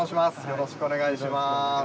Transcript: よろしくお願いします。